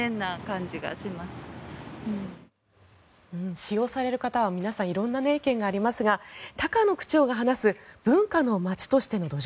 使用される方は皆さん色んな意見がありますが高野区長が話す文化の街としての土壌